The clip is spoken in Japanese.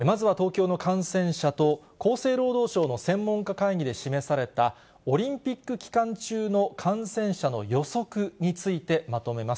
まずは東京の感染者と、厚生労働省の専門家会議で示されたオリンピック期間中の感染者の予測についてまとめます。